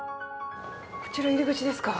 こちら入り口ですか？